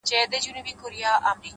o د گران صفت كومه،